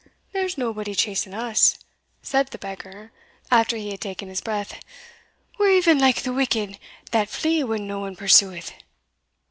"There's naebody chasing us," said the beggar, after he had taken his breath: "we're e'en like the wicked, that flee when no one pursueth."